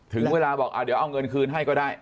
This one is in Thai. ถึงเวลาบอกเดี๋ยวเอาเงินคืนให้ก็ได้